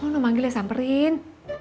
lo mau manggil ya samperin